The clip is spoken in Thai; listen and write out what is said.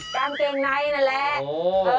กางเกงในนั่นแหละ